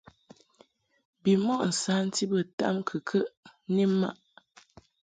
Bimɔʼ nsanti bə tamkɨkəʼ ni mmaʼ.